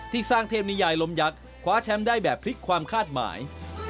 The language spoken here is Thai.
สร้างเทพนิยายลมยักษ์คว้าแชมป์ได้แบบพลิกความคาดหมาย